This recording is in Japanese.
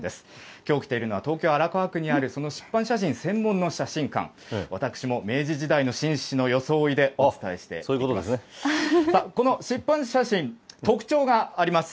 きょう来ているのは、東京・荒川区にあるその湿板写真専門の写真館、私も明治時代の紳士の装いでお伝えしていきます。